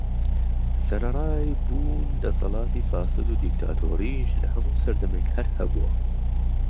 سەرەرای بوون دەسەلاتی فاسد و دیکتاتۆریش، لە هەمو سەردەمێك هەر هەبوە.